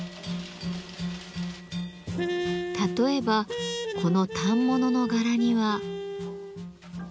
例えばこの反物の柄には。